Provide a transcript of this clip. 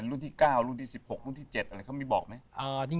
รุ่นที่๙รุ่นที่๑๖รุ่นที่๗มีบอกไหม